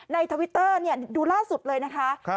ทวิตเตอร์ดูล่าสุดเลยนะคะ